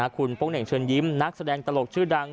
คุณโป๊งเหน่งเชิญยิ้มนักแสดงตลกชื่อดัง